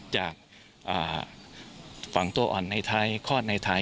จากฝังตัวอ่อนในไทยคลอดในไทย